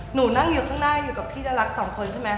หนูนั่งอยู่ข้างหน้าอยู่กับพี่น่ารักสองคนใช่ไหม